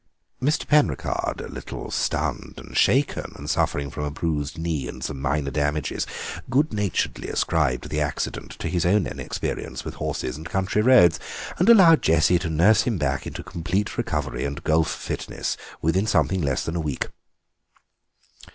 Mr. Penricarde, a little stunned and shaken, and suffering from a bruised knee and some minor damages, good naturedly ascribed the accident to his own inexperience with horses and country roads, and allowed Jessie to nurse him back into complete recovery and golf fitness within something less than a week.